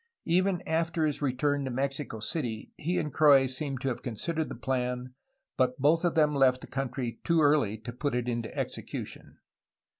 Even after his return to Mexico City he and Croix seem to have considered the plan, but both of them left the country too early to put it into execution.